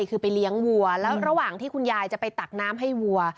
คือไปเลี้ยงวัวแล้วระหว่างที่คุณยายจะไปตักน้ำให้วัว